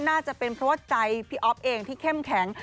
น่าจะเป็นเพราะว่าใจพี่อ๊อฟเองที่เข้มแข็ง